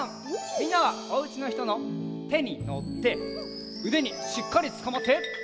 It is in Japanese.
みんなはおうちのひとのてにのってうでにしっかりつかまって。